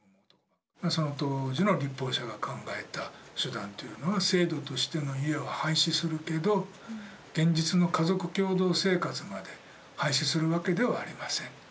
その当時の立法者が考えた手段というのが制度としての「家」は廃止するけど現実の家族共同生活まで廃止するわけではありません。